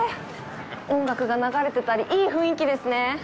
音楽が流れてたり、いい雰囲気ですね。